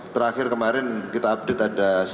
terakhir kemarin kita update ada